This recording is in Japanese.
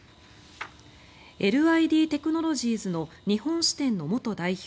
ＬＩＤテクノロジーズの日本支店の元代表